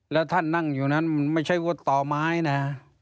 แล้วท่านนั่งอยู่นั้นมันไม่ใช่ว่าต่อไม้นะ